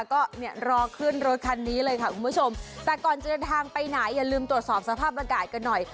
ก็เนี่ยรอขึ้นรถคันนี้เลยค่ะคุณผู้ชมแต่ก่อนจะเดินทางไปไหนอย่าลืมตรวจสอบสภาพอากาศกันหน่อย